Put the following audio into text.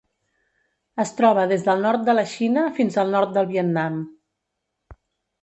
Es troba des del nord de la Xina fins al nord del Vietnam.